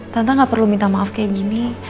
tante gak perlu minta maaf kayak gini